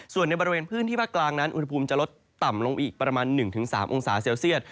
ส่วนในบริเวณพื้นที่ภาคกลางนั้นอุณหภูมิจะลดต่ำลงอีกประมาณ๑๓องศาเซลเซียต